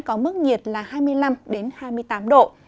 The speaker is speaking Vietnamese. có mức nhiệt là hai mươi năm đến hai mươi năm độ